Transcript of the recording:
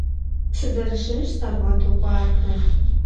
Сызэрыщымщ, сабгъэдокӀуатэ.